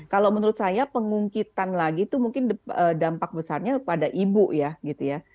kalau menurut saya pengungkitan lagi itu mungkin dampak besarnya pada ibu ya gitu ya